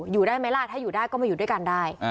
อยู่ได้ไหมล่ะถ้าอยู่ได้ก็มาอยู่ด้วยกันได้